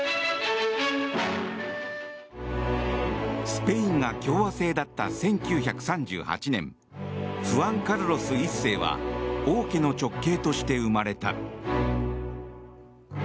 スペインが共和制だった１９３８年フアン・カルロス１世は王家の直系として生まれた。